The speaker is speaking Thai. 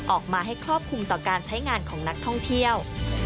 ออกมาให้ครอบคลุมต่อการใช้งานของนักท่องเที่ยว